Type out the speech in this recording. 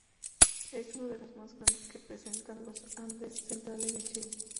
Es uno de los más grandes que presentan los Andes Centrales de Chile.